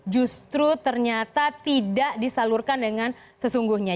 justru ternyata tidak disalurkan dengan sesungguhnya